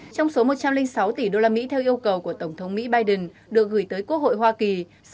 trong số một trăm linh sáu tỷ đô la mỹ theo yêu cầu của tổng thống mỹ biden được gửi tới quốc hội hoa kỳ